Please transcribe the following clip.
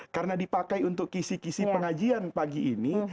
karena dipakai untuk kisi kisi pengajian pagi ini